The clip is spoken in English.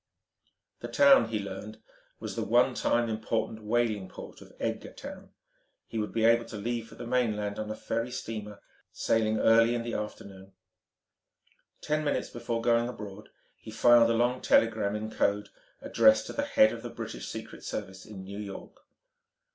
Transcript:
The town, he learned, was the one time important whaling port of Edgartown. He would be able to leave for the mainland on a ferry steamer sailing early in the afternoon. Ten minutes before going abroad he filed a long telegram in code addressed to the head of the British Secret Service in New York....